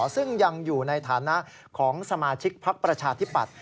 ซึ่งยังอยู่ในฐานะของสมาชิกพักประชาธิปัตย